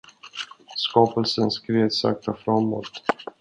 Skapelsen skred sakta framåt.